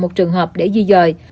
một trường hợp để di dời